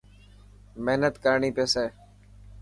مهنت ڪرڻي پيي.